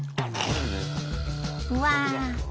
うわ！